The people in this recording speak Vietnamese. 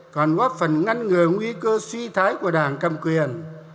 còn góp phần ngăn ngừa nguy cơ suy thái của đảng cầm quyền